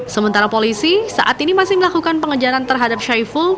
sementara polisi saat ini masih melakukan pengejaran terhadap syaiful